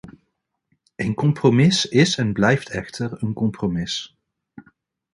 Een compromis is en blijft echter een compromis.